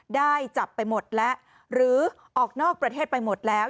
ได้จับไปหมดแล้วหรือออกนอกประเทศไปหมดแล้ว